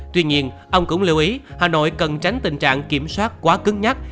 tuy nhiên ông cũng lưu ý hà nội cần tránh tình trạng kiểm soát quá cứng nhắc